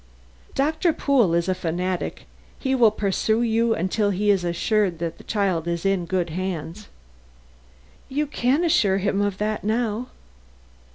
"Doctor Pool is a fanatic; he will pursue you until he is assured that the child is in good hands." "You can assure him of that now."